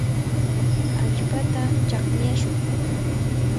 allpata chakmyashun.